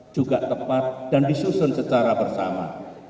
juga tepat dan disusun secara bersama